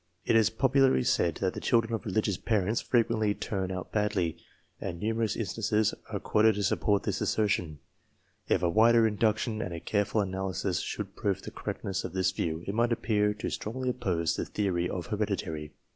It is popularly said that the children of religious parents frequently turn out badly, and numerous instances are quoted to support this assertion. If a wider induction and a careful analysis should prove the correctness of this view, it might appear to strongly oppose the theory of heredity.